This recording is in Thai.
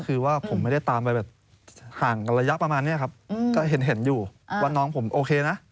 คือว่าผมไม่ได้ตามไปแบบห่างกันระยะประมาณนี้ครับก็เห็นอยู่ว่าน้องผมโอเคนะ